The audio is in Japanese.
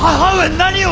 何を！